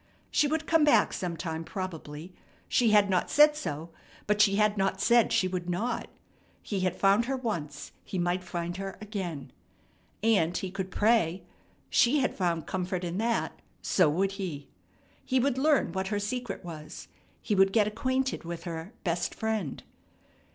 She would come back sometime probably. She had not said so, but she had not said she would not. He had found her once; he might find her again. And he could pray. She had found comfort in that; so would he. He would learn what her secret was. He would get acquainted with her "best Friend."